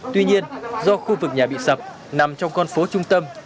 tuy nhiên do khu vực nhà bị sập nằm trong con phố trung tâm